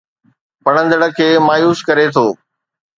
پڙهندڙ کي مايوس ڪري ٿو